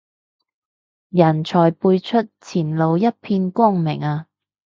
人才輩出，前路一片光明啊